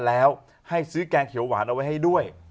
แล้วก็ไปชนไทย